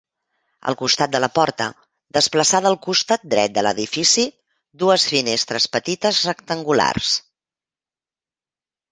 Al costat de la porta, desplaçada al costat dret de l'edifici, dues finestres petites rectangulars.